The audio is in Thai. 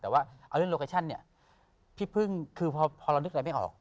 แต่เอาเรื่องโลกอาทารณ์คือพี่พึ่งพอเรานึกอะไรไม่ออก